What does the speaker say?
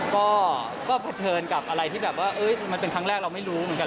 ก็เผชิญกับอะไรที่แบบว่ามันเป็นครั้งแรกเราไม่รู้เหมือนกัน